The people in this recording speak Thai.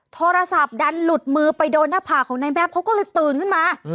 โทรศัพท์ดันหลุดมือไปโดนหน้าผากของนายแม็ปเขาก็เลยตื่นขึ้นมา